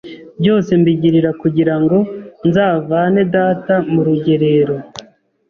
byose mbigirira kugira ngo nzavane data mu rugerero